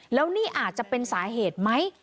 แล้วนี่อาจจะเป็นสาเหตุไหม